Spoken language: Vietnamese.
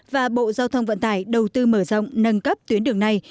và bộ giao thông vận tải đầu tư mở rộng nâng cấp tuyến đường này